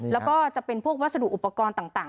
แล้วก็จะเป็นพวกวัสดุอุปกรณ์ต่าง